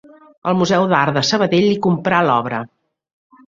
El Museu d'Art de Sabadell li comprà l'obra.